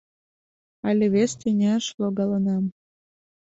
Але вес тӱняш логалынам.